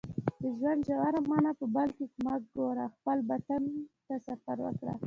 د ژوند ژوره معنا په بل کې مه ګوره خپل باطن ته سفر وکړه